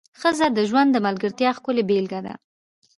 ښځه د ژوند د ملګرتیا ښکلې بېلګه ده.